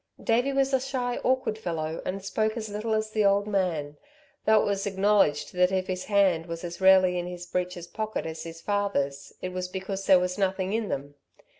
Davey was a shy, awkward fellow and spoke as little as the old man, though it was acknowledged that if his hand was as rarely in his breeches' pockets as his father's, it was because there was nothing in them.